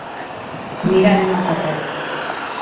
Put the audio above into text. Mirar e non correr.